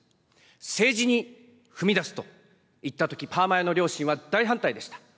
政治に踏み出すといったとき、パーマ屋の両親は大反対でした。